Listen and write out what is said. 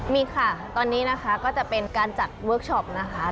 มีค่ะตอนนี้นะคะก็จะเป็นการจัดเวิร์คชอปนะคะ